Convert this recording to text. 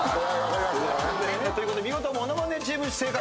ということで見事モノマネチーム正解！